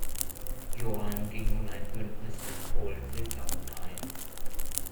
Johann ging nun ein Bündnis mit Polen-Litauen ein.